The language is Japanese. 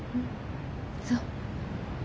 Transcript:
そう。